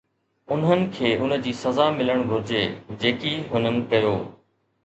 انهن کي ان جي سزا ملڻ گهرجي جيڪي هنن ڪيو.